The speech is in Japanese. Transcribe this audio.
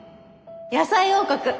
野菜王国！